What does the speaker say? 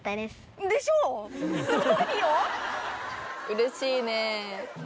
うれしいね。